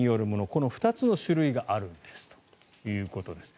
この２つの種類があるんですということです。